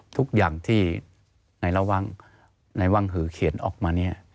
ทุกอย่างที่ในว่างหือเขียนออกมาเนี่ย